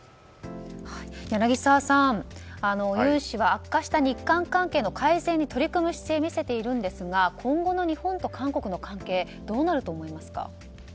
柳澤さん、ユン氏は悪化した日韓関係の改善に取り組む姿勢を見せているんですが今後の日本と韓国の関係どうなると思いますか？